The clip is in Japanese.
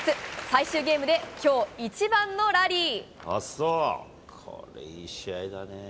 最終ゲームで、きょう一番のラリー。